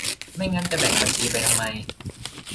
ไม่งั้นจะแบ่งบัญชีไปทำไม